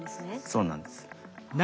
そうなんです。